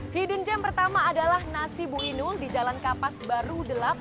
hidden gem pertama adalah nasi bu inul di jalan kapas baru delapan